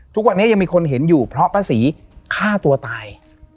ทุกวันนี้ยังมีคนเห็นอยู่เพราะป้าศรีฆ่าตัวตาย